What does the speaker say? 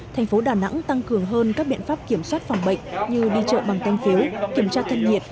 thành phố đà nẵng tăng cường hơn các biện pháp kiểm soát phòng bệnh như đi chợ bằng canh phiếu kiểm tra thân nhiệt